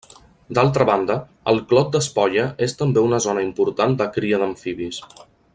D'altra banda, el Clot d'Espolla és també una zona important de cria d'amfibis.